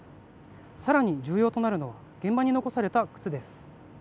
更に重要となるのは現場に残された靴です。